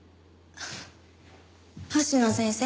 星野先生。